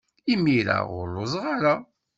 Imir-a ur lluẓeɣ ara.